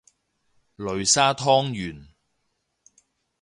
擂沙湯圓